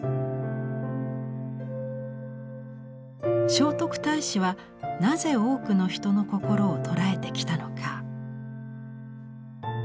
聖徳太子はなぜ多くの人の心を捉えてきたのか。